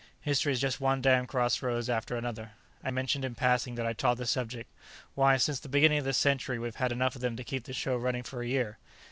"History is just one damn crossroads after another." I mentioned, in passing, that I taught the subject. "Why, since the beginning of this century, we've had enough of them to keep the show running for a year."